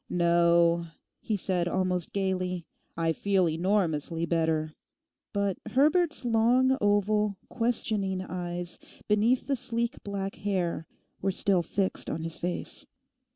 'No,' he said almost gaily; 'I feel enormously better.' But Herbert's long, oval, questioning eyes beneath the sleek black hair were still fixed on his face.